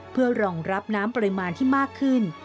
เพื่อรองรับน้ำปริมาณที่มากขึ้น